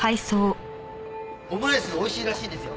オムライス美味しいらしいんですよ。